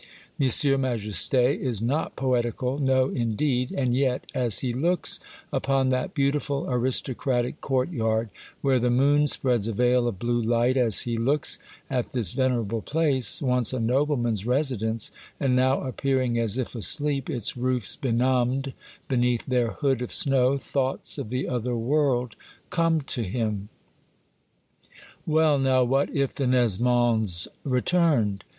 Monsieur Majeste is not poetical, no, indeed ! and yet, as he looks upon that beautiful, aristocratic courtyard, where the moon spreads a veil of blue light, as he looks at this venerable place, once a nobleman's residence and now appearing as if asleep, its roofs benumbed beneath their hood of snow, thoughts of the other world come to him, " Well, now ! what if the Nesmonds returned?"